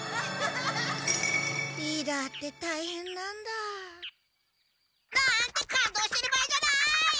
リーダーってたいへんなんだ。なんて感動してる場合じゃない！